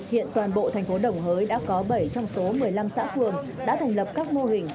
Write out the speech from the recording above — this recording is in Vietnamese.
hiện toàn bộ thành phố đồng hới đã có bảy trong số một mươi năm xã phường đã thành lập các mô hình